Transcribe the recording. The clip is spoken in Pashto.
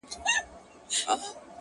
مخ ځيني اړومه!